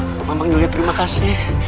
untuk memang juga terima kasih